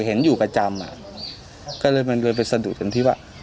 เห็นอยู่ประจำอ่ะก็เลยมันเลยไปสะดุดกันที่ว่า